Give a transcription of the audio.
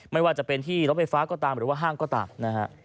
ไม่ว่าจะเป็นที่รถไฟฟ้าก็ตามหรือว่าห้างก็ตามนะฮะ